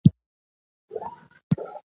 واړه عشق دی چې يې سر راته ګياه کړ.